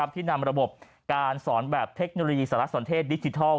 ที่นำระบบการสอนแบบเทคโนโลยีสารสนเทศดิจิทัล